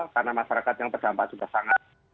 karena masyarakat yang terdampak juga sangat